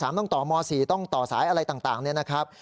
ต้องต่อม๔ต้องต่อสายอะไรต่างเนี่ยนะครับ